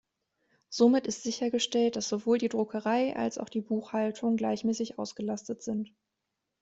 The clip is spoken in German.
Somit ist sichergestellt, dass sowohl die Druckerei als auch die Buchhaltung gleichmäßig ausgelastet sind.